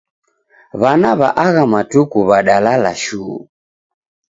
W'ana w'a agha matuku w'adalala shuu.